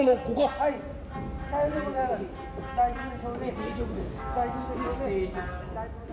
大丈夫ですよ。